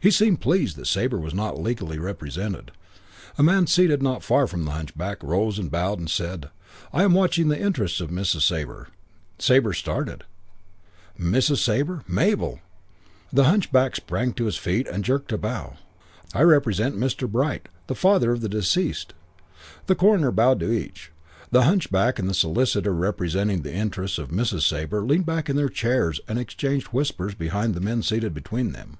He seemed pleased that Sabre was not legally represented. A man seated not far from the hunchback rose and bowed and said, "I am watching the interests of Mrs. Sabre." Sabre started. Mrs. Sabre! Mabel! The hunchback sprang to his feet and jerked a bow. "I represent Mr. Bright, the father of the deceased." The coroner bowed to each. The hunchback and the solicitor representing the interests of Mrs. Sabre leaned back in their chairs and exchanged whispers behind the men seated between them.